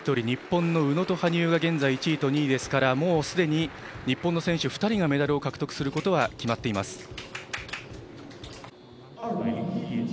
日本の宇野と羽生が現在、１位と２位ですからもうすでに日本の選手２人がメダルを獲得することは決まっています。